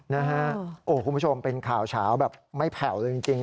คุณผู้ชมเป็นข่าวเฉาแบบไม่แผ่วเลยจริง